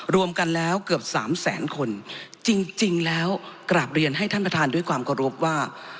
รวมกันแล้วเกือบสามแสนคนจริงแล้วกราบเรียนให้ท่านประธานด้วยความเคารพว่า